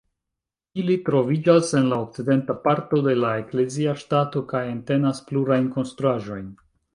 Ili troviĝas en la okcidenta parto de la eklezia ŝtato kaj entenas plurajn konstruaĵojn.